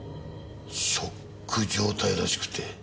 ショック状態らしくて。